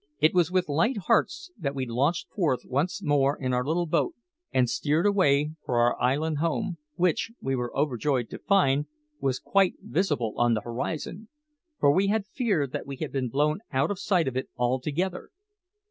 It was with light hearts that we launched forth once more in our little boat and steered away for our island home, which, we were overjoyed to find, was quite visible on the horizon, for we had feared that we had been blown out of sight of it altogether.